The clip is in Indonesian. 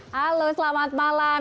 halo selamat malam